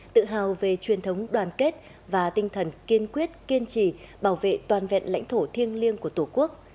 tự hào về truyền thống đoàn kết và tinh thần kiên quyết kiên trì bảo vệ toàn vẹn lãnh thổ thiêng liêng của tổ quốc